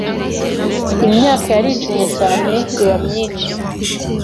Imyaka yaricumye cyane iba myinshi